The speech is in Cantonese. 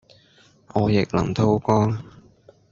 我亦能叨光